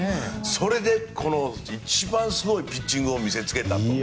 それでこの一番すごいピッチングを見せつけたと。